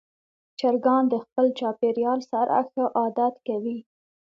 چرګان د خپل چاپېریال سره ښه عادت کوي.